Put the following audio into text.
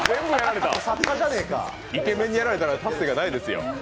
イケメンにやられたら立つ瀬ないですよ。